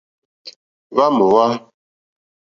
Hwá mòhwá.